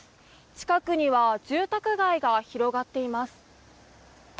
近くには住宅街が広がっています。